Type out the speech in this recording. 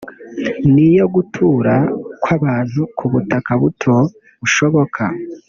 ni iyo gutura kw’abantu benshi ku butaka buto bushoboka